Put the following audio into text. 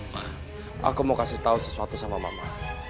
nah aku mau kasih tahu sesuatu sama mama